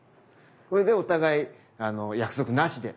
これでお互い約束なしで。